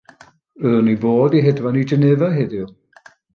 Roeddwn i fod i hedfan i Genefa heddiw.